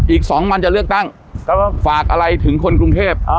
อีกสองมันจะเลือกตั้งครับผมฝากอะไรถึงคนกรุงเทพฯอ๋อ